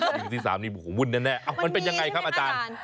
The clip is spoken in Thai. มือที่๓นี่โอ้โหวุ่นแน่มันเป็นยังไงครับอาจารย์